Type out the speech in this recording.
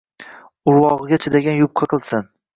Urvog`iga chidagan yupqa qilsin